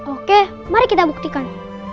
oke mari kita buktikan